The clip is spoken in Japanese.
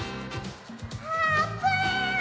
あーぷん！